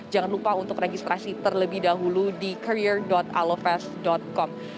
jangan lupa untuk registrasi terlebih dahulu di career aloves com